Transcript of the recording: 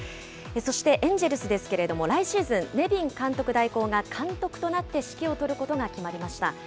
そしてエンジェルスですけれども、来シーズン、ネビン監督代行が監督となって指揮を執ることが決まりました。